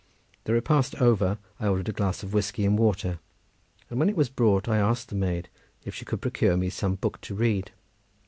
The repast over, I ordered a glass of whiskey and water, and when it was brought I asked the maid if she could procure me some book to read.